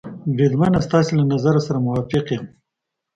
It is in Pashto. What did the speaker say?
بریدمنه، ستاسې له نظر سره موافق یم.